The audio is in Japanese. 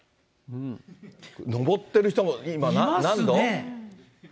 登ってる人も、今何度？